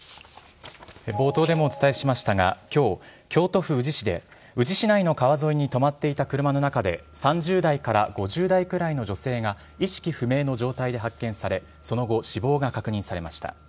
冒頭でもお伝えしましたが今日京都府宇治市で宇治市内の川沿いに止まっていた車の中で３０代から５０代くらいの女性が意識不明の状態で発見されその後、死亡が確認されました。